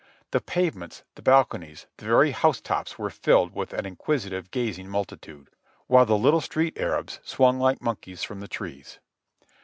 The pavements, the balconies, the very housetops were filled with an inquisitive, gazing multitude, while the little street x ^rabs swung like monkeys from the trees.